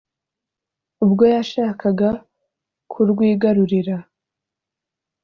ubwo yashakaga kurwigarurira